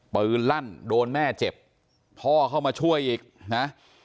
ลั่นโดนแม่เจ็บพ่อเข้ามาช่วยอีกนะ